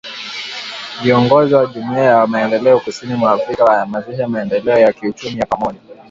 Viongozi wa Jumuiya ya Maendeleo Kusini mwa Afrika wahamasisha maendeleo ya kiuchumi ya pamoja